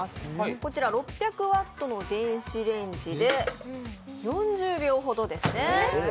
こちら６００Ｗの電子レンジで４０秒ほどですね。